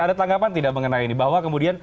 ada tanggapan tidak mengenai ini bahwa kemudian